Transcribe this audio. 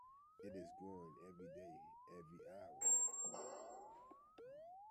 It is growing, every day, every hour.